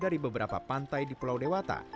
dari beberapa pantai di pulau dewata